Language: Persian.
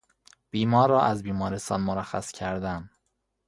بیمار را از بیمارستان مرخص کردن